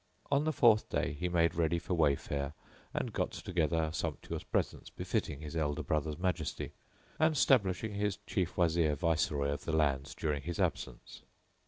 On the fourth day he made ready for wayfare and got together sumptuous presents befitting his elder brother's majesty, and stablished his chief Wazir viceroy of the land during his absence.